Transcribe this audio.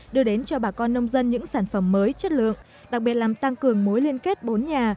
đưa đến cho bà con nông dân những sản phẩm mới chất lượng đặc biệt làm tăng cường mối liên kết bốn nhà